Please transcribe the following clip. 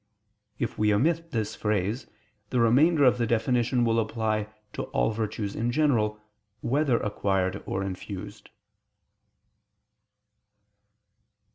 If we omit this phrase, the remainder of the definition will apply to all virtues in general, whether acquired or infused.